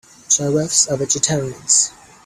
Giraffes are vegetarians.